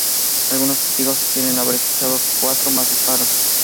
Algunos testigos sostienen haber escuchado cuatro o más disparos.